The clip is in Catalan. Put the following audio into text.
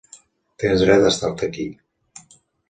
Tens dret a estar-te aquí.